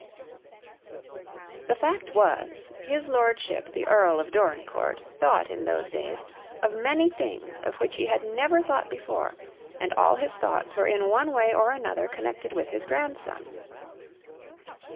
IX The fact was, his lordship the Earl of Dorincourt thought in those days, of many things of which he had never thought before, and all his thoughts were in one way or another connected with his grandson.